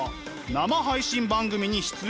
生配信番組に出演。